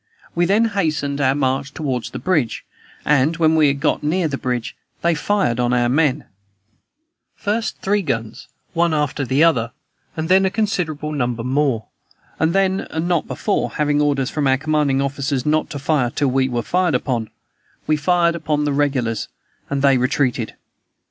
We then hastened our march toward the bridge, and, when we had got near the bridge, they fired on our men first three guns, one after the other, and then a considerable number more; and then, and not before (having orders from our commanding officers not to fire till we were fired upon), we fired upon the regulars, and they retreated.